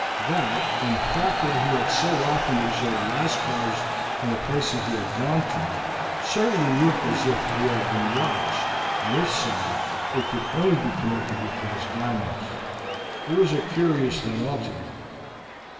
That, and the fact that he had so often observed Lascars in the places he had gone to, certainly looked as if he had been watched, and if so, it could only be connected with those diamonds. It was a curious thing altogether.